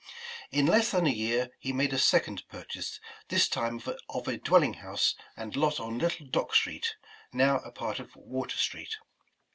In less than a year he made a second purchase, this time of a dwelling house and lot on Little Dock Street (now a part of "Water Street).